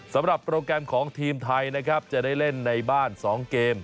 สำหรับโปรแกรมของทีมไทยจะได้เล่นในบ้าน๒เกม